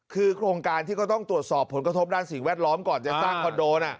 คือโครงการที่ก็ต้องตรวจสอบผลกระทบด้านสิ่งแวดล้อมก่อนจะสร้างคอนโด